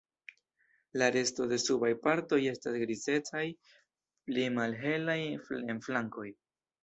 La resto de subaj partoj estas grizecaj, pli malhelaj en flankoj.